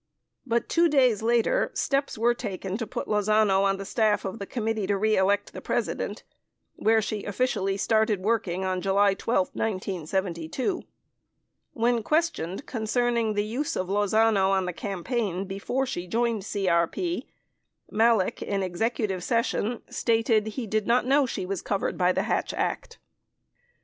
26 But 2 days later steps were taken to put Lozano on the staff of the Committee To Re Elect the President where she officially started work ing on July 12, 1972. When questioned concerning the use of Lozano in the campaign before she joined CRP, Malek, in executive session, stated he did not know she was covered by the Hatch Act.